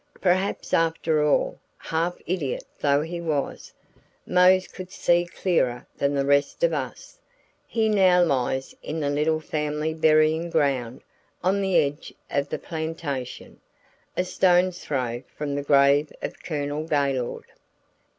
Perhaps after all, half idiot though he was, Mose could see clearer than the rest of us. He now lies in the little family burying ground on the edge of the plantation, a stone's throw from the grave of Colonel Gaylord.